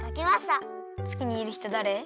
つきにいるひとだれ？